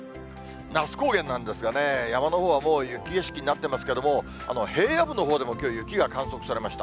那須高原なんですがね、山のほうはもう雪景色になっていますけれども、平野部のほうでもきょう、雪が観測されました。